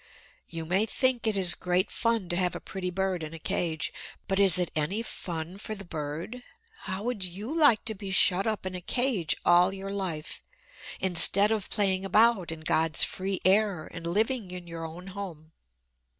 You may think it is great fun to have a pretty bird in a cage. But is it any fun for the bird? How would you like to be shut up in a cage all your life, instead of playing about in God's free air and living in your own home?